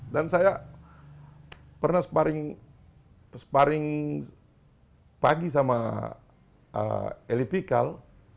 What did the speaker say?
dan saya pernah sparring pagi sama eli pikal